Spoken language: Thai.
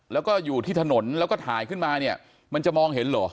แล้วก็อยู่ที่ถนนแล้วก็ถ่ายขึ้นมาเนี่ยมันจะมองเห็นเหรอ